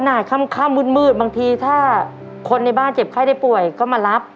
ค่ำมืดบางทีถ้าคนในบ้านเจ็บไข้ได้ป่วยก็มารับ